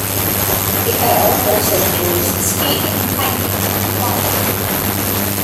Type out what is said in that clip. The earl also enjoys skiing, hiking, and climbing.